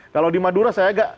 kalau di madura saya agak